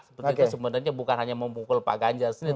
seperti itu sebenarnya bukan hanya memukul pak ganjar sendiri